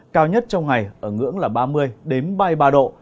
cao nhất trong ngày ở ngưỡng là ba mươi ba mươi ba độ